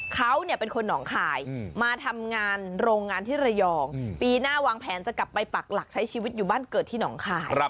เขาเป็นคนหนองคายมาทำงานโรงงานที่ระยองปีหน้าวางแผนจะกลับไปปักหลักใช้ชีวิตอยู่บ้านเกิดที่หนองคาย